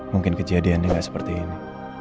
mungkin kejadiannya nggak seperti ini